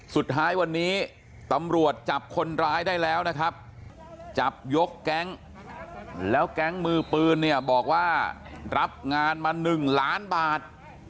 สุดท้ายวันนี้ตำรวจจับคนร้ายได้แล้วนะครับจับยกแก๊งแล้วแก๊งมือปืนเนี่ยบอกว่ารับงานมา๑ล้านบาท